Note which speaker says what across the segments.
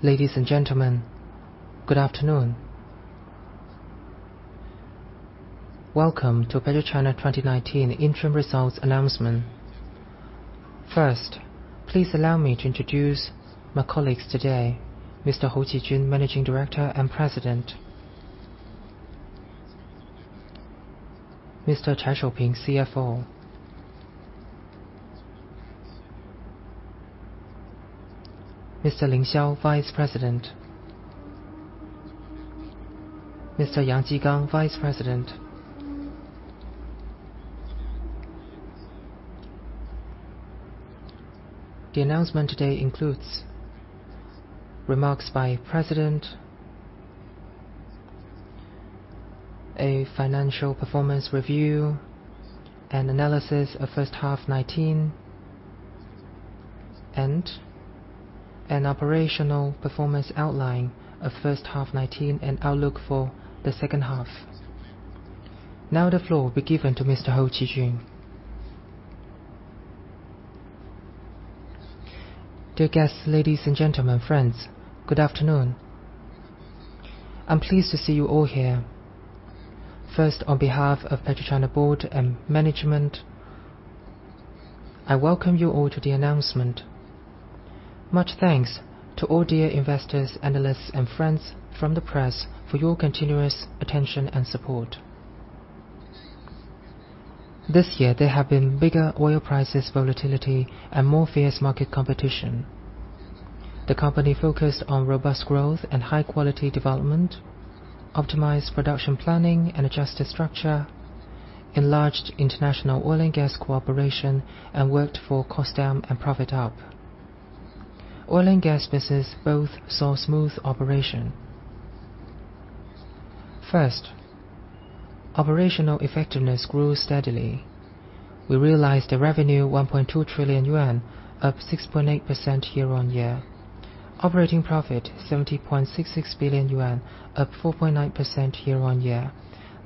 Speaker 1: Ladies and gentlemen, good afternoon. Welcome to PetroChina 2019 interim results announcement. First, please allow me to introduce my colleagues today: Mr. Huo Qijun, Managing Director and President; Mr. Chai Shouping, CFO; Mr. Ling Xiao, Vice President; Mr. Yang Jigang, Vice President. The announcement today includes remarks by President, a financial performance review and analysis of first half 2019, and an operational performance outline of first half 2019 and outlook for the second half. Now the floor will be given to Mr. Huo Qijun. Dear guests, ladies and gentlemen, friends, good afternoon. I'm pleased to see you all here. First, on behalf of PetroChina Board and Management, I welcome you all to the announcement. Much thanks to all dear investors, analysts, and friends from the press for your continuous attention and support. This year, there have been bigger oil prices volatility and more fierce market competition. The company focused on robust growth and high-quality development, optimized production planning and adjusted structure, enlarged international oil and gas cooperation, and worked for cost down and profit up. Oil and gas business both saw smooth operation. First, operational effectiveness grew steadily. We realized a revenue of 1.2 trillion yuan, up 6.8% year-on-year. Operating profit: 70.66 billion yuan, up 4.9% year-on-year.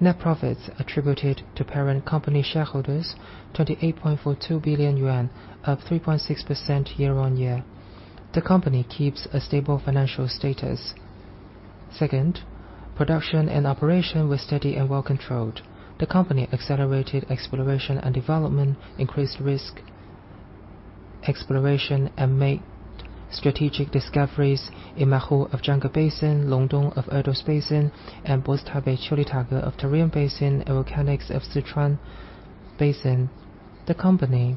Speaker 1: Net profits attributed to parent company shareholders: 28.42 billion yuan, up 3.6% year-on-year. The company keeps a stable financial status. Second, production and operation were steady and well controlled. The company accelerated exploration and development, increased risk exploration, and made strategic discoveries in Mahu of Junggar Basin, Longdong of Ordos Basin, and Bozi-Dabei, Qiulitage of Tarim Basin, and volcanics of Sichuan Basin. The company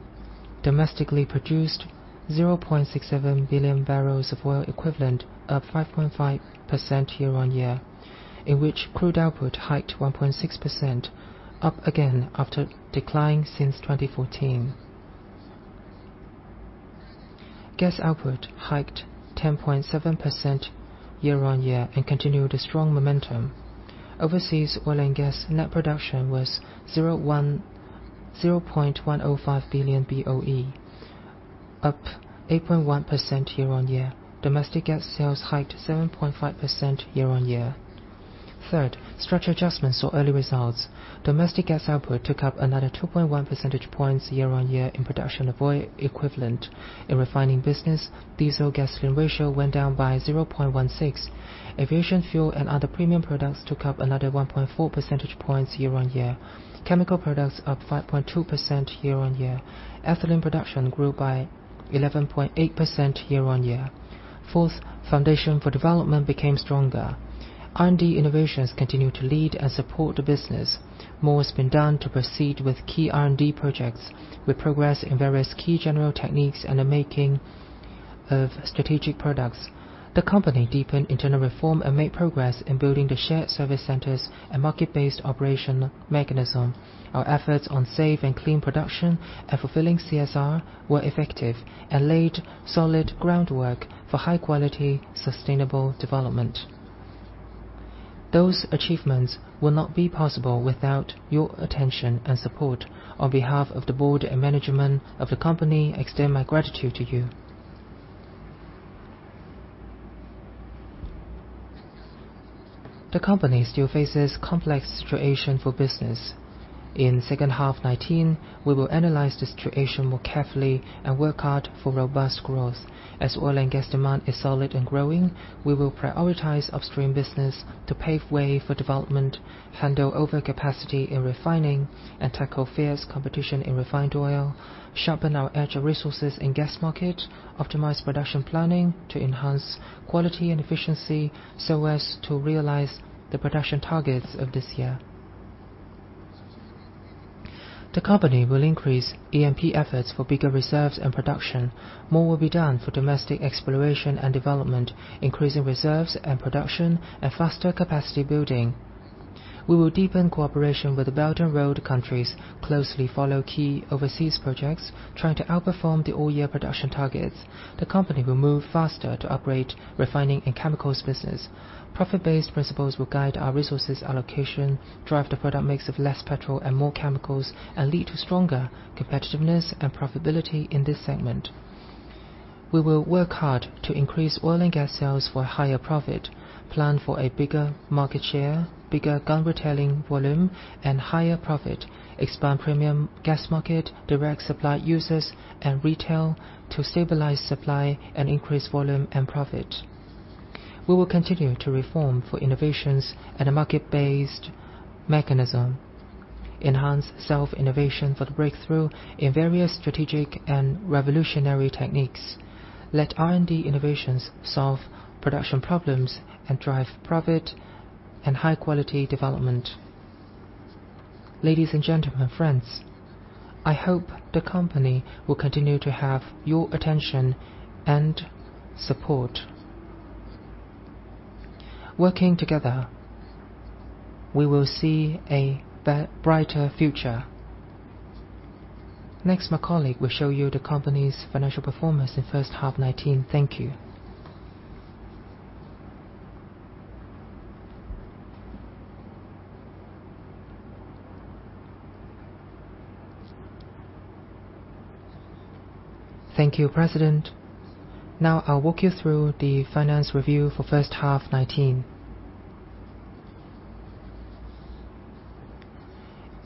Speaker 1: domestically produced 0.67 billion barrels of oil equivalent, up 5.5% year-on-year, in which crude output hiked 1.6%, up again after decline since 2014. Gas output hiked 10.7% year-on-year and continued a strong momentum. Overseas oil and gas net production was 0.105 billion BOE, up 8.1% year-on-year. Domestic gas sales hiked 7.5% year-on-year. Third, structure adjustments saw early results. Domestic gas output took up another 2.1 percentage points year-on-year in production of oil equivalent. In refining business, diesel-gasoline ratio went down by 0.16. Aviation fuel and other premium products took up another 1.4 percentage points year-on-year. Chemical products up 5.2% year-on-year. Ethylene production grew by 11.8% year-on-year. Fourth, foundation for development became stronger. R&D innovations continue to lead and support the business. More has been done to proceed with key R&D projects, with progress in various key general techniques and the making of strategic products. The company deepened internal reform and made progress in building the shared service centers and market-based operational mechanism. Our efforts on safe and clean production and fulfilling CSR were effective and laid solid groundwork for high-quality, sustainable development. Those achievements would not be possible without your attention and support. On behalf of the board and management of the company, I extend my gratitude to you. The company still faces a complex situation for business. In second half 2019, we will analyze the situation more carefully and work hard for robust growth. As oil and gas demand is solid and growing, we will prioritize upstream business to pave way for development, handle overcapacity in refining, and tackle fierce competition in refined oil, sharpen our agile resources in gas market, optimize production planning to enhance quality and efficiency, so as to realize the production targets of this year. The company will increase EMP efforts for bigger reserves and production. More will be done for domestic exploration and development, increasing reserves and production and faster capacity building. We will deepen cooperation with the Belt and Road countries, closely follow key overseas projects, trying to outperform the all-year production targets. The company will move faster to operate refining and chemicals business. Profit-based principles will guide our resources allocation, drive the product mix of less petrol and more chemicals, and lead to stronger competitiveness and profitability in this segment. We will work hard to increase oil and gas sales for higher profit, plan for a bigger market share, bigger non-retailing volume, and higher profit, expand premium gas market, direct supply users, and retail to stabilize supply and increase volume and profit. We will continue to reform for innovations and a market-based mechanism, enhance self-innovation for the breakthrough in various strategic and revolutionary techniques, let R&D innovations solve production problems and drive profit and high-quality development. Ladies and gentlemen, friends, I hope the company will continue to have your attention and support. Working together, we will see a brighter future. Next, my colleague will show you the company's financial performance in first half 2019. Thank you.
Speaker 2: Thank you, President. Now, I'll walk you through the finance review for first half 2019.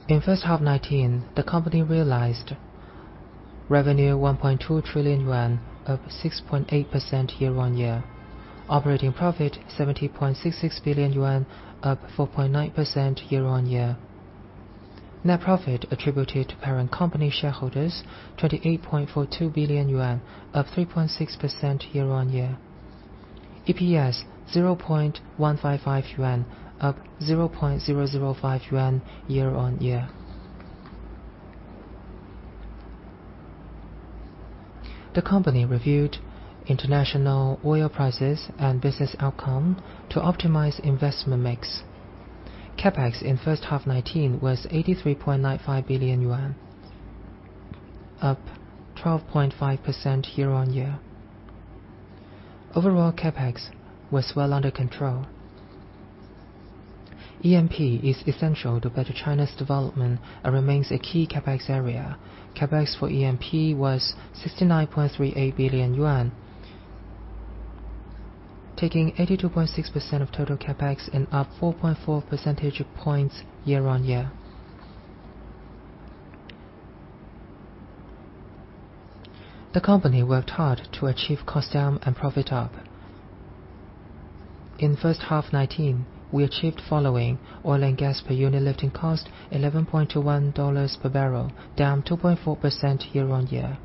Speaker 2: In first half 2019, the company realized revenue of 1.2 trillion yuan, up 6.8% year-on-year. Operating profit: 70.66 billion yuan, up 4.9% year-on-year. Net profit attributable to parent company shareholders: 28.42 billion yuan, up 3.6% year-on-year. EPS: 0.155 yuan, up 0.005 yuan year-on-year. The company reviewed international oil prices and business outcome to optimize investment mix. CapEx in first half 2019 was 83.95 billion yuan, up 12.5% year-on-year. Overall, CapEx was well under control. E&P is essential to PetroChina's development and remains a key CapEx area. CapEx for E&P was 69.38 billion yuan, taking 82.6% of total CapEx and up 4.4 percentage points year-on-year. The company worked hard to achieve cost down and profit up. In first half 2019, we achieved the following: oil and gas per unit lifting cost: $11.21 per barrel, down 2.4% year-on-year.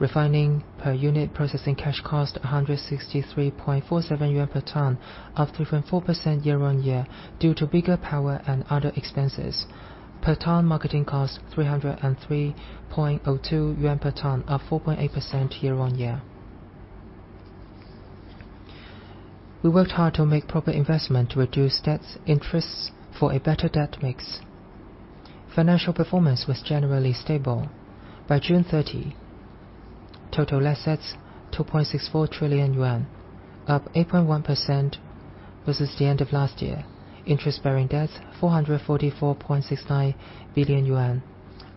Speaker 2: Refining per unit processing cash cost: 163.47 yuan per ton, up 3.4% year-on-year due to bigger power and other expenses. Per ton marketing cost: 303.02 yuan per ton, up 4.8% year-on-year. We worked hard to make proper investment to reduce debt interests for a better debt mix. Financial performance was generally stable. By June 30, total assets: 2.64 trillion yuan, up 8.1% versus the end of last year. Interest-bearing debt: 444.69 billion yuan,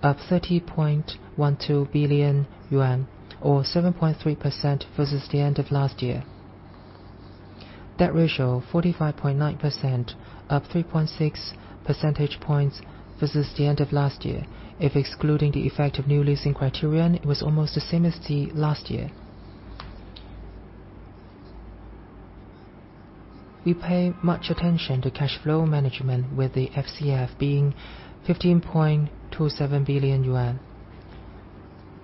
Speaker 2: up 30.12 billion yuan, or 7.3% versus the end of last year. Debt ratio: 45.9%, up 3.6 percentage points versus the end of last year. If excluding the effective new leasing criterion, it was almost the same as last year. We pay much attention to cash flow management, with the FCF being 15.27 billion yuan.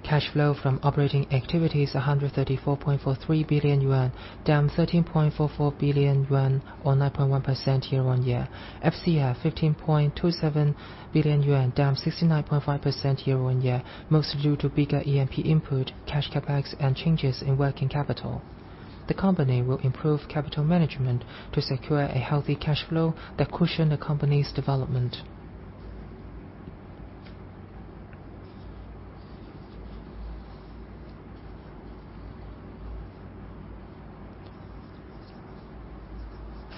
Speaker 2: Cash flow from operating activities: 134.43 billion yuan, down 13.44 billion yuan, or 9.1% year-on-year. FCF: 15.27 billion yuan, down 69.5% year-on-year, mostly due to bigger E&P input, cash CapEx, and changes in working capital. The company will improve capital management to secure a healthy cash flow that cushions the company's development.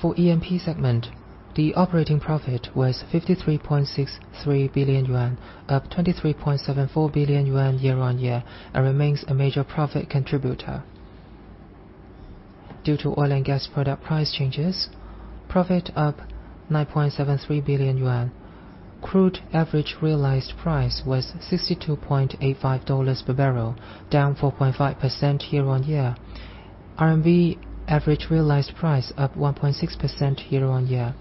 Speaker 2: For E&P segment, the operating profit was 53.63 billion yuan, up 23.74 billion yuan year-on-year, and remains a major profit contributor. Due to oil and gas product price changes, profit up 9.73 billion yuan. Crude average realized price was $62.85 per barrel, down 4.5% year-on-year. RMB average realized price up 1.6% year-on-year.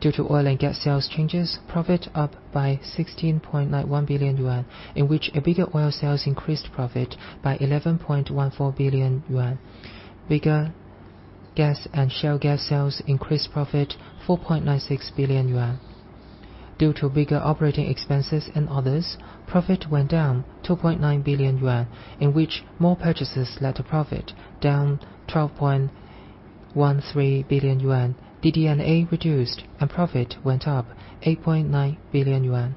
Speaker 2: Due to oil and gas sales changes, profit up by 16.91 billion yuan, in which a bigger oil sales increased profit by 11.14 billion yuan. Bigger gas and shale gas sales increased profit 4.96 billion yuan. Due to bigger operating expenses and others, profit went down 2.9 billion yuan, in which more purchases led to profit down 12.13 billion yuan. DD&A reduced and profit went up 8.9 billion yuan.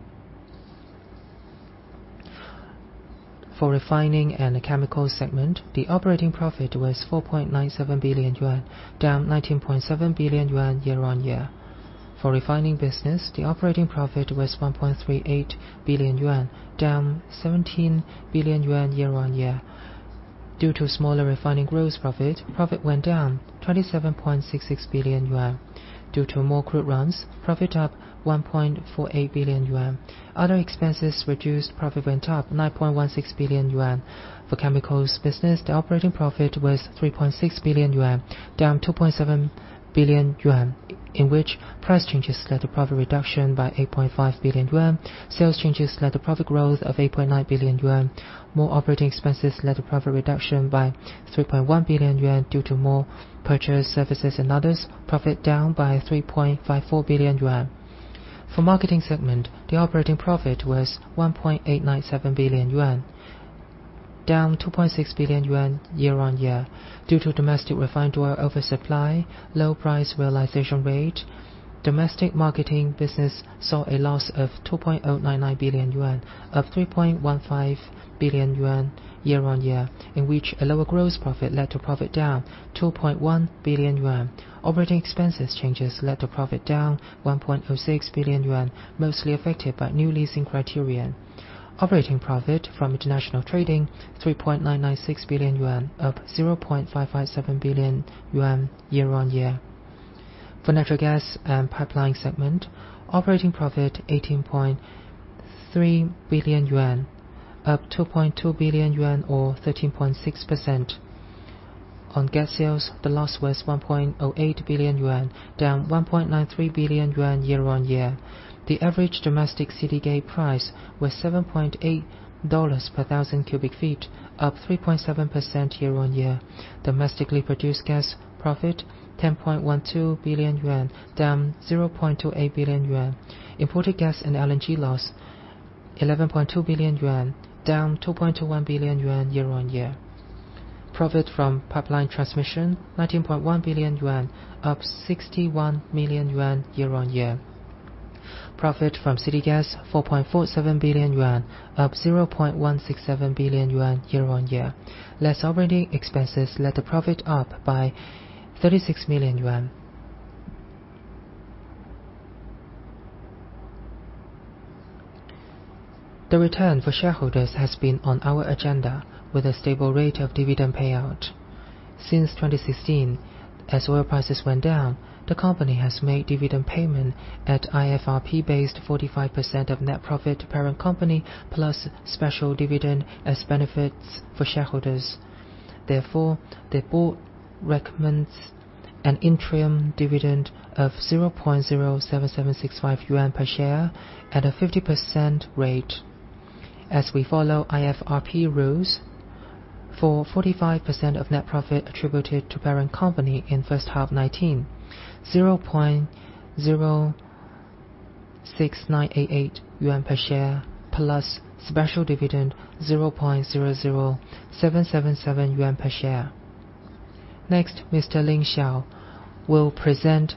Speaker 2: For refining and the chemicals segment, the operating profit was 4.97 billion yuan, down 19.7 billion yuan year-on-year. For refining business, the operating profit was 1.38 billion yuan, down 17 billion yuan year-on-year. Due to smaller refining gross profit, profit went down 27.66 billion yuan. Due to more crude runs, profit up 1.48 billion yuan. Other expenses reduced, profit went up 9.16 billion yuan. For chemicals business, the operating profit was 3.6 billion yuan, down 2.7 billion yuan, in which price changes led to profit reduction by 8.5 billion yuan. Sales changes led to profit growth of 8.9 billion yuan. More operating expenses led to profit reduction by 3.1 billion yuan. Due to more purchases, services, and others, profit down by 3.54 billion yuan. For marketing segment, the operating profit was 1.897 billion yuan, down 2.6 billion yuan year-on-year. Due to domestic refined oil oversupply, low price realization rate, domestic marketing business saw a loss of 2.099 billion yuan, up 3.15 billion yuan year-on-year, in which a lower gross profit led to profit down 2.1 billion yuan. Operating expenses changes led to profit down 1.06 billion yuan, mostly affected by new leasing criterion. Operating profit from international trading: 3.996 billion yuan, up 0.557 billion yuan year-on-year. For natural gas and pipeline segment, operating profit 18.3 billion yuan, up 2.2 billion yuan or 13.6%. On gas sales, the loss was 1.08 billion yuan, down 1.93 billion yuan year-on-year. The average domestic City Gate price was $7.8 per thousand cubic feet, up 3.7% year-on-year. Domestically produced gas profit: 10.12 billion yuan, down 0.28 billion yuan. Imported gas and LNG loss: 11.2 billion yuan, down 2.21 billion yuan year-on-year. Profit from pipeline transmission: 19.1 billion yuan, up 61 million yuan year-on-year. Profit from city gas: 4.47 billion yuan, up 0.167 billion yuan year-on-year. Less operating expenses led to profit up by 36 million yuan. The return for shareholders has been on our agenda with a stable rate of dividend payout. Since 2016, as oil prices went down, the company has made dividend payment at IFRS-based 45% of net profit to parent company plus special dividend as benefits for shareholders. Therefore, the board recommends an interim dividend of 0.07765 yuan per share at a 50% rate. As we follow IFRS rules, for 45% of net profit attributed to parent company in first half 2019, 0.06988 yuan per share plus special dividend 0.00777 yuan per share. Next, Mr. Ling Xiao will present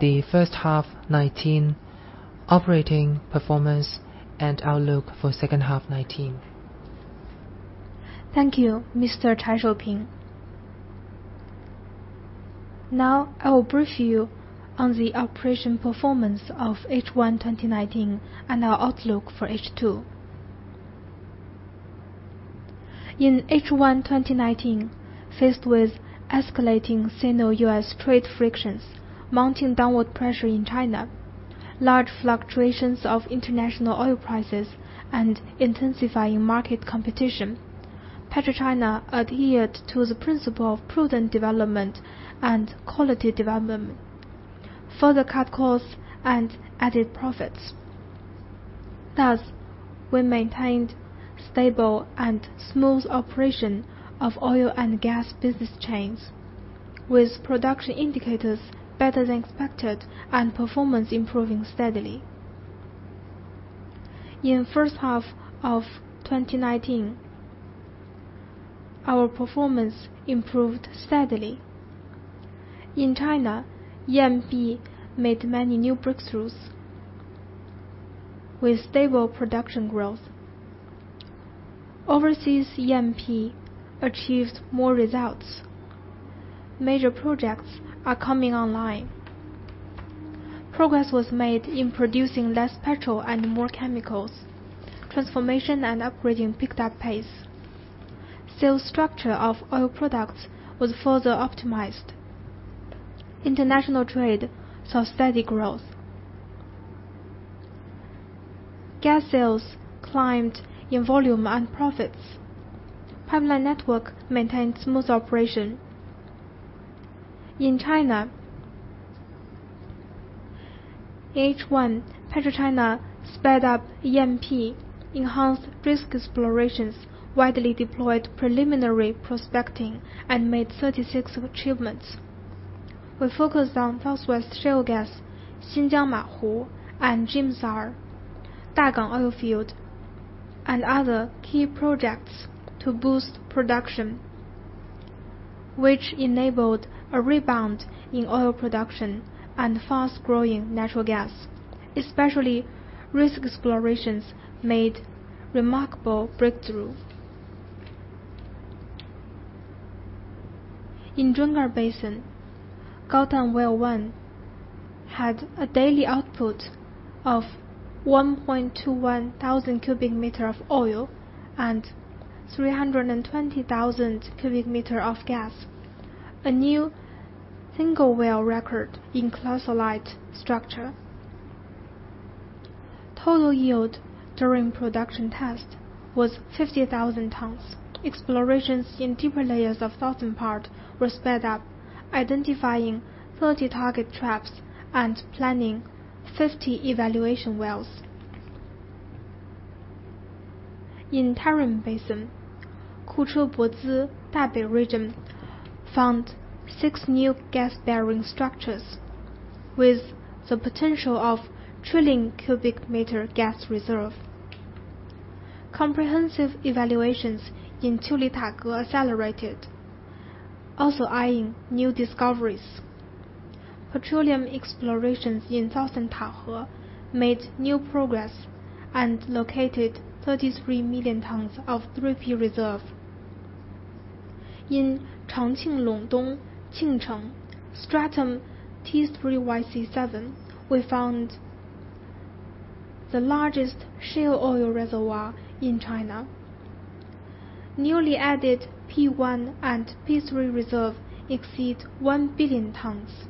Speaker 2: the first half 2019 operating performance and outlook for second half 2019.
Speaker 3: Thank you, Mr. Chai Shouping. Now, I will brief you on the operation performance of H1-2019 and our outlook for H2. In H1-2019, faced with escalating Sino-U.S. trade frictions, mounting downward pressure in China, large fluctuations of international oil prices, and intensifying market competition, PetroChina adhered to the principle of prudent development and quality development, further cut costs and added profits. Thus, we maintained stable and smooth operation of oil and gas business chains, with production indicators better than expected and performance improving steadily. In first half of 2019, our performance improved steadily. In China, E&P made many new breakthroughs with stable production growth. Overseas, E&P achieved more results. Major projects are coming online. Progress was made in producing less petrol and more chemicals. Transformation and upgrading picked up pace. Sales structure of oil products was further optimized. International trade saw steady growth. Gas sales climbed in volume and profits. Pipeline network maintained smooth operation. In China, H1 PetroChina sped up E&P, enhanced risk explorations, widely deployed preliminary prospecting, and made 36 achievements. We focused on southwest shale gas, Xinjiang Mahu, and Jimsar, Dagang Oil Field, and other key projects to boost production, which enabled a rebound in oil production and fast-growing natural gas. Especially risk explorations made remarkable breakthroughs. In Junggar Basin, Gaotan 1 had a daily output of 1.21 thousand cubic meters of oil and 320 thousand cubic meters of gas, a new single well record in classified structure. Total yield during production test was 50 thousand tons. Explorations in deeper layers of southern part were sped up, identifying 30 target traps and planning 50 evaluation wells. In Tarim Basin, Bozi-Dabei found six new gas bearing structures with the potential of trillion cubic meter gas reserve. Comprehensive evaluations in Qiulitage accelerated, also eyeing new discoveries. Petroleum explorations in southern Tahe made new progress and located 33 million tons of 3P reserve. In Changqing Longdong, Qingcheng, Stratum T3YC7, we found the largest shale oil reservoir in China. Newly added P1 and P3 reserve exceed 1 billion tons.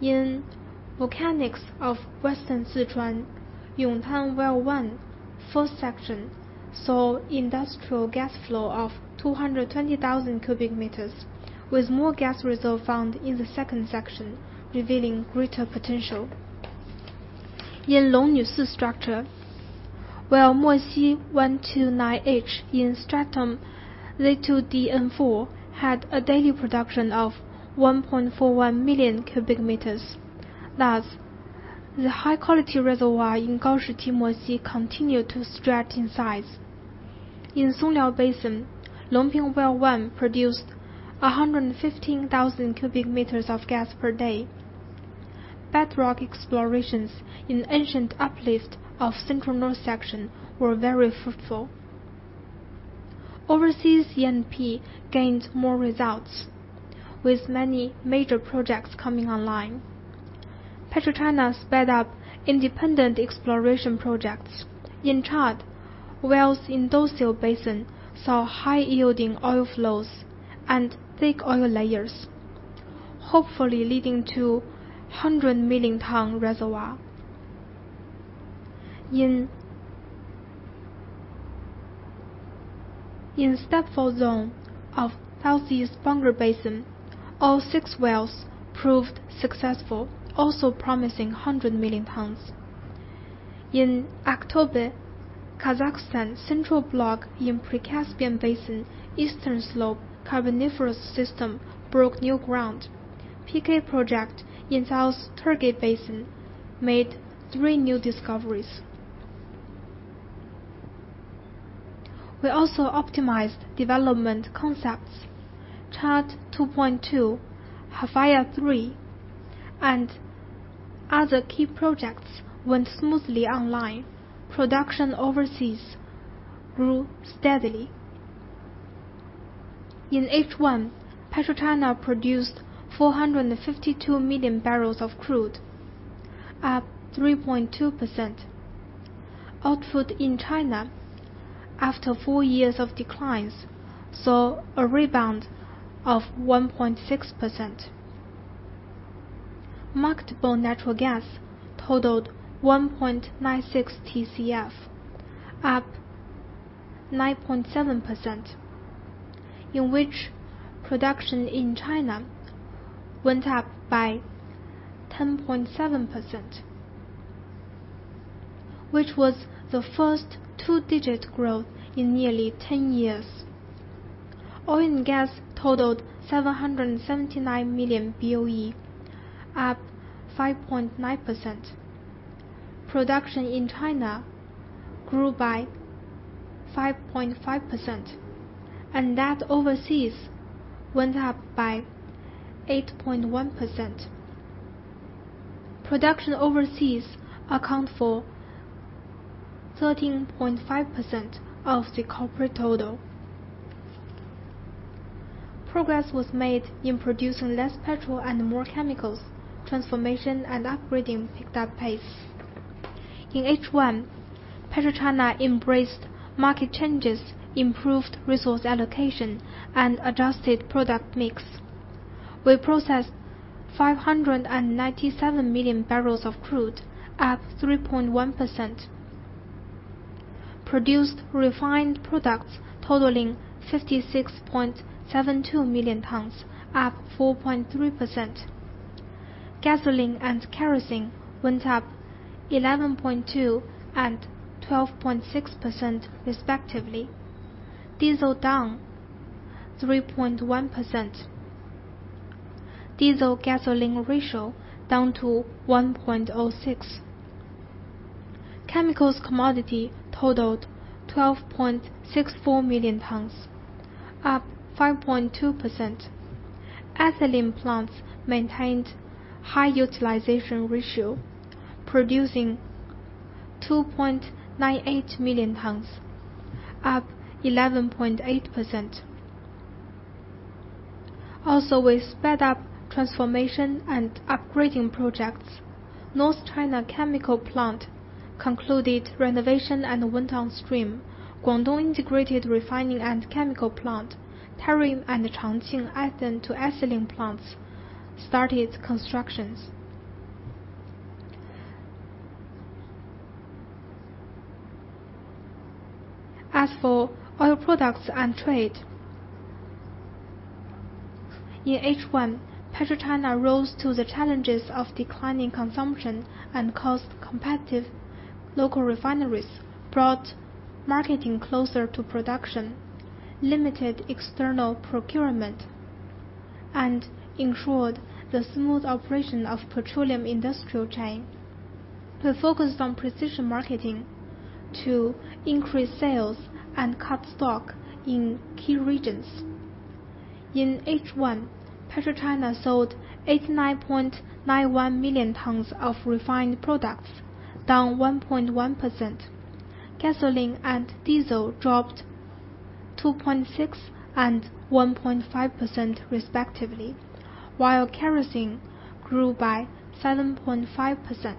Speaker 3: In Volcanics of Western Sichuan, Yongtan 1, fourth section, saw industrial gas flow of 220 thousand cubic meters, with more gas reserve found in the second section, revealing greater potential. In Longnuosi structure, Well Moxi 129H in Stratum Leikou DN4 had a daily production of 1.41 million cubic meters. Thus, the high-quality reservoir in Gaoshiti-Moxi continued to stretch in size. In Songliao Basin, Longping Well 1 produced 115 thousand cubic meters of gas per day. Bedrock explorations in ancient uplift of central north section were very fruitful. Overseas, E&P gained more results, with many major projects coming online. PetroChina sped up independent exploration projects. In Chad, wells in Doseo Basin saw high-yielding oil flows and thick oil layers, hopefully leading to 100 million ton reservoir. In step-fault zone of Southeast Bongor Basin, all six wells proved successful, also promising 100 million tons. In October, Kazakhstan Central Block in Pre-Caspian Basin eastern slope carboniferous system broke new ground. PK Project in South Turgay Basin made three new discoveries. We also optimized development concepts. Chad 2.2, Halfaya 3, and other key projects went smoothly online. Production overseas grew steadily. In H1, PetroChina produced 452 million barrels of crude, up 3.2%. Output in China, after four years of declines, saw a rebound of 1.6%. Marketable natural gas totaled 1.96 TCF, up 9.7%, in which production in China went up by 10.7%, which was the first two-digit growth in nearly ten years. Oil and gas totaled 779 million BOE, up 5.9%. Production in China grew by 5.5%, and that overseas went up by 8.1%. Production overseas accounted for 13.5% of the corporate total. Progress was made in producing less petrol and more chemicals. Transformation and upgrading picked up pace. In H1, PetroChina embraced market changes, improved resource allocation, and adjusted product mix. We processed 597 million barrels of crude, up 3.1%. Produced refined products totaling 56.72 million tons, up 4.3%. Gasoline and kerosene went up 11.2% and 12.6%, respectively. Diesel down 3.1%. Diesel-gasoline ratio down to 1.06. Chemical commodities totaled 12.64 million tons, up 5.2%. Ethylene plants maintained high utilization ratio, producing 2.98 million tons, up 11.8%. Also, we sped up transformation and upgrading projects. North China Chemical Plant concluded renovation and went on stream. Guangdong Integrated Refining and Chemical Plant, Tarim and Changqing ethane to Ethylene Plants started construction. As for oil products and trade, in H1, PetroChina rose to the challenges of declining consumption and cost-competitive local refineries, brought marketing closer to production, limited external procurement, and ensured the smooth operation of petroleum industrial chain. We focused on precision marketing to increase sales and cut stock in key regions. In H1, PetroChina sold 89.91 million tons of refined products, down 1.1%. Gasoline and diesel dropped 2.6% and 1.5%, respectively, while kerosene grew by 7.5%.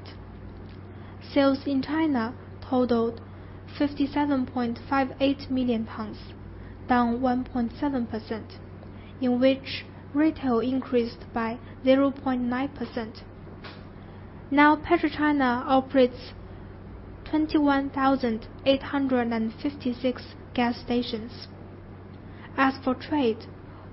Speaker 3: Sales in China totaled 57.58 million tons, down 1.7%, in which retail increased by 0.9%. Now, PetroChina operates 21,856 gas stations. As for trade,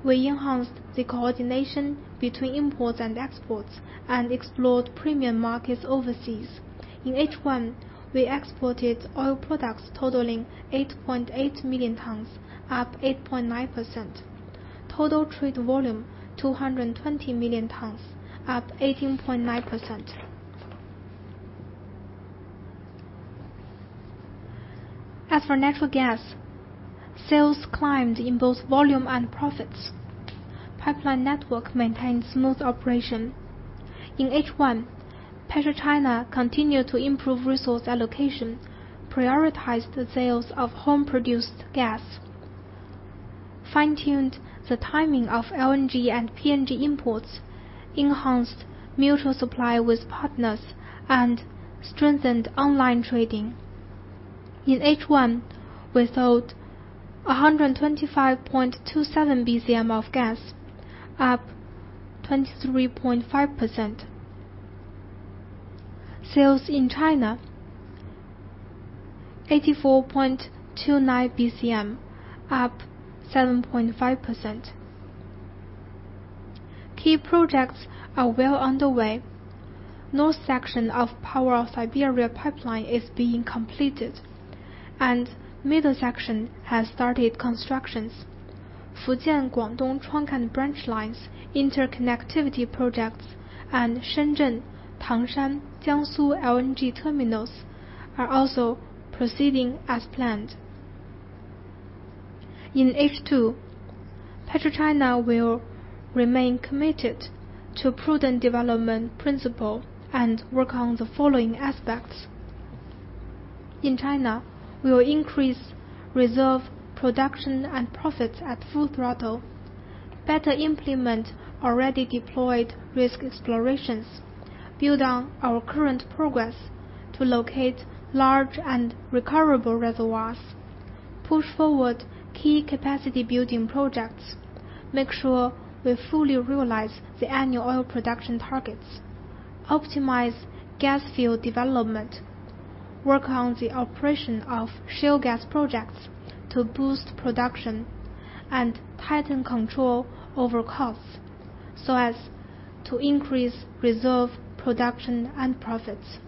Speaker 3: we enhanced the coordination between imports and exports and explored premium markets overseas. In H1, we exported oil products totaling 8.8 million tons, up 8.9%. Total trade volume 220 million tons, up 18.9%. As for natural gas, sales climbed in both volume and profits. Pipeline network maintained smooth operation. In H1, PetroChina continued to improve resource allocation, prioritized the sales of home-produced gas, fine-tuned the timing of LNG and PNG imports, enhanced mutual supply with partners, and strengthened online trading. In H1, we sold 125.27 BCM of gas, up 23.5%. Sales in China, 84.29 BCM, up 7.5%. Key projects are well underway. North section of Power of Siberia Pipeline is being completed, and middle section has started constructions. Fujian-Guangdong-Trongkang branch lines, interconnectivity projects, and Shenzhen-Tangshan-Jiangsu LNG terminals are also proceeding as planned. In H2, PetroChina will remain committed to prudent development principle and work on the following aspects. In China, we will increase reserve production and profits at full throttle, better implement already deployed risk explorations, build on our current progress to locate large and recoverable reservoirs, push forward key capacity-building projects, make sure we fully realize the annual oil production targets, optimize gas field development, work on the operation of shale gas projects to boost production and tighten control over costs, so as to increase reserve production and profits.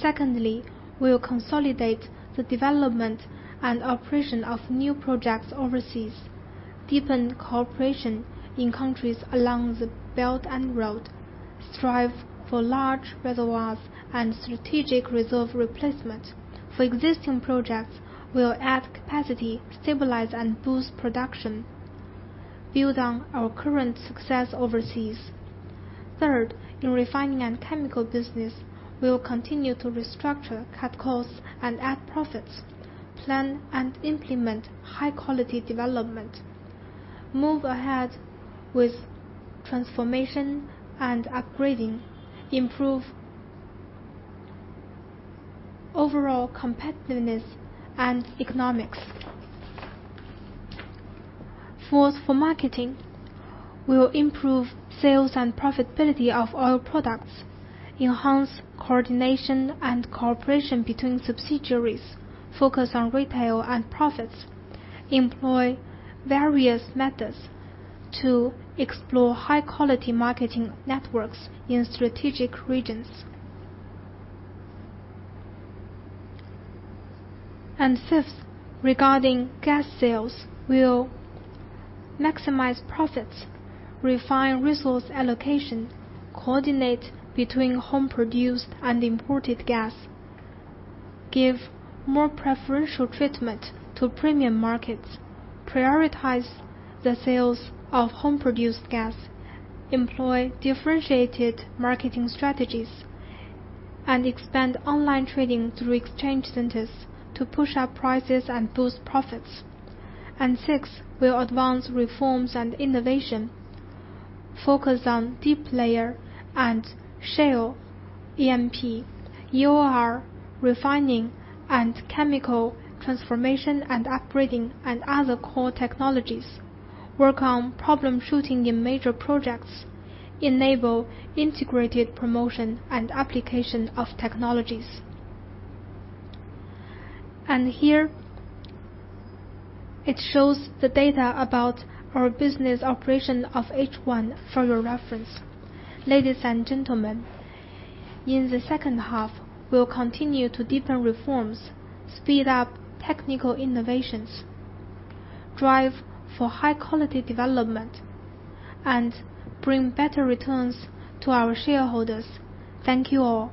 Speaker 3: Secondly, we will consolidate the development and operation of new projects overseas, deepen cooperation in countries along the Belt and Road, strive for large reservoirs and strategic reserve replacement. For existing projects, we will add capacity, stabilize, and boost production, build on our current success overseas. Third, in refining and chemical business, we will continue to restructure, cut costs, and add profits, plan and implement high-quality development, move ahead with transformation and upgrading, improve overall competitiveness and economics. Fourth, for marketing, we will improve sales and profitability of oil products, enhance coordination and cooperation between subsidiaries, focus on retail and profits, employ various methods to explore high-quality marketing networks in strategic regions. Fifth, regarding gas sales, we will maximize profits, refine resource allocation, coordinate between home-produced and imported gas, give more preferential treatment to premium markets, prioritize the sales of home-produced gas, employ differentiated marketing strategies, and expand online trading through exchange centers to push up prices and boost profits. Sixth, we will advance reforms and innovation, focus on deep layer and shale E&P, EOR, refining and chemical transformation and upgrading, and other core technologies, work on problem-shooting in major projects, enable integrated promotion and application of technologies. Here, it shows the data about our business operation of H1 for your reference. Ladies and gentlemen, in the second half, we will continue to deepen reforms, speed up technical innovations, drive for high-quality development, and bring better returns to our shareholders. Thank you all.